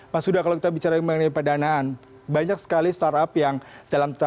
mas huda kalau kita bicara mengenai pendanaan banyak sekali startup yang dalam tanda